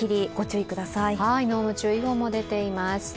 濃霧注意報も出ています。